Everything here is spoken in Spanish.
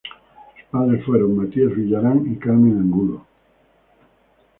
Sus padres fueron Matías Villarán y Carmen Angulo.